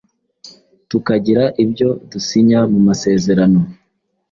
tukagira ibyo dusinya mumasezerano